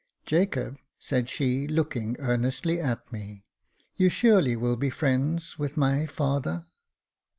" Jacob," said she, looking earnestly at me, " you surely will be friends with my father